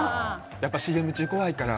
やっぱりＣＭ中、怖いから。